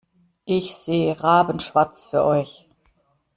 Ich sehe rabenschwarz für euch.